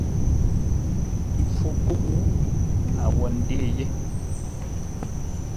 Mpfu kúʼ a wó ndê yé.